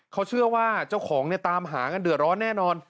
เขาเชื่อว่าเจ้าของเนี่ยตามหากันเดือดร้อนแน่นอน